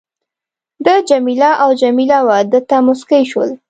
ده جميله او جميله وه ده ته مسکی شول.